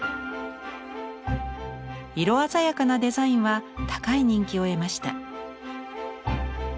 色鮮やかなデザインは高い人気を得ました。